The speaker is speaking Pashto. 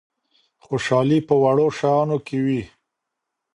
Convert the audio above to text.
خوشحالي په وړو شیانو کي وي.